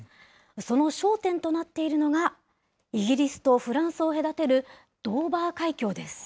その焦点となっているのが、イギリスとフランスを隔てるドーバー海峡です。